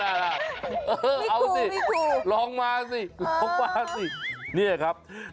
เออเอาสิร้องมาสินี่ครับมิคุณ